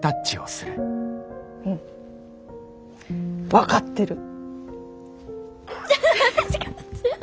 うん。分かってる。